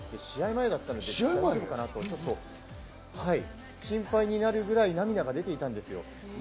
試合前だったので、ちょっと心配になるぐらい涙が出ていたんです。